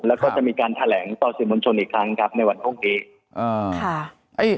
แล้วก็จะมีการแถลงต่อสื่อมวลชนอีกครั้งครับในวันพรุ่งนี้